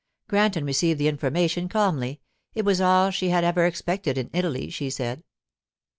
Granton received the information calmly; it was all she had ever expected in Italy, she said.